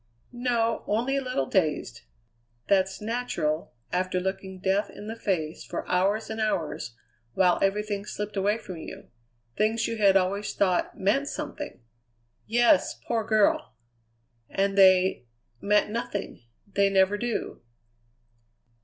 "No, only a little dazed. That's natural after looking death in the face for hours and hours while everything slipped away from you things you had always thought meant something." "Yes, poor girl!" "And they meant nothing. They never do."